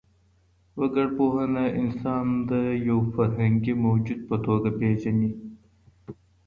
وګړپوهنه انسان د يو فرهنګي موجود په توګه پېژني.